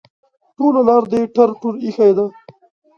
ټوله لار دې ټر ټور ایښی ده.